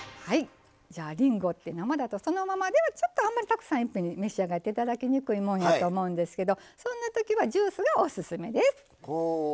じゃあ、りんごって生だとそのままではあんまりたくさん一気に召し上がっていただきにくいもんやと思うんですけどそんなときはジュースがオススメです。